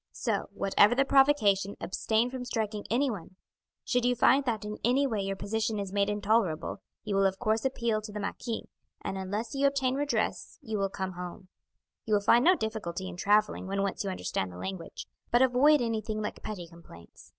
"So, whatever the provocation, abstain from striking anyone. Should you find that in any way your position is made intolerable, you will of course appeal to the marquis, and unless you obtain redress you will come home you will find no difficulty in travelling when you once understand the language but avoid anything like petty complaints.